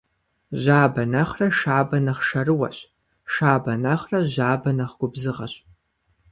Жьабэ нэхърэ шабэ нэхъ шэрыуэщ, шабэ нэхърэ жьабэ нэхъ губзыгъэщ.